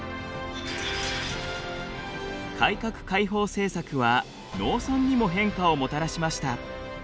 改革開放政策は農村にも変化をもたらしました。